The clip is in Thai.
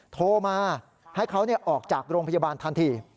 โทรมาให้เขาออกจากโรงพยาบาลทันที